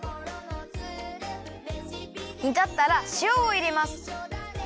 にたったらしおをいれます。